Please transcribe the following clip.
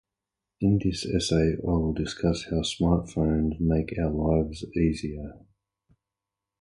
In this essay, I will discuss how smartphones make our lives easier.